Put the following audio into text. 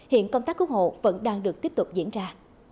hiện công tác cứu hộ vẫn đang được tiếp tục diễn ra